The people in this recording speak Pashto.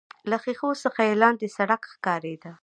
له ښيښو څخه يې لاندې سړک ښکارېده.